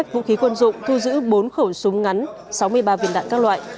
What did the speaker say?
vũ khí quần dụng thu giữ bốn khẩu súng ngắn sáu mươi ba viên đạn các loại